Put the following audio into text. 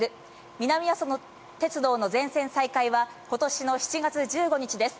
南阿蘇鉄道の全線再開は、ことしの７月１５日です。